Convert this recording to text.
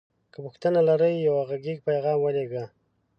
که پوښتنه لری یو غږیز پیغام ولیږه